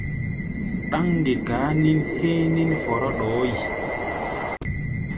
Ɗáŋ ŋgekaa nín héé nín fɔrɔ ɗɔɔ́ yi.